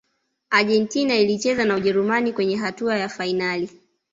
argentina ilicheza na ujerumani kwenye hatua ya fainali